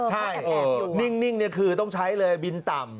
ใช่นิ่งนี่คือต้องใช้เลยบินต่ำ